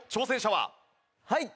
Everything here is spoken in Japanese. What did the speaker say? はい！